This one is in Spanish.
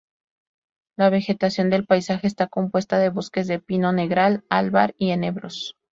La vegetación del paisaje está compuesta de bosques de pino negral, albar y enebros.